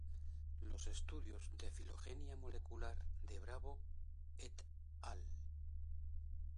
Los estudios de filogenia molecular de Bravo "et al".